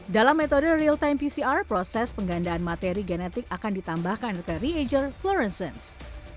dalam metode real time pcr proses penggandaan materi genetik akan ditambahkan reta reager flurencense